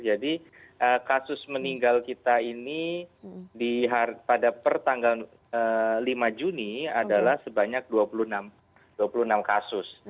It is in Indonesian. jadi kasus meninggal kita ini pada pertanggal lima juni adalah sebanyak dua puluh enam kasus